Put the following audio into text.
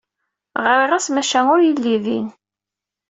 Ɣriɣ-as, maca ur yelli din.